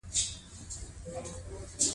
رښتیا ویل د بریالیتوب لاره ده.